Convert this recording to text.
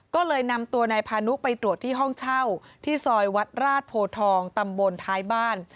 ก็เลยนำตัวนายพานุไปตรวจที่ห้องเช่าที่ซอยวัดราชโพทองตำบลท้ายบ้าน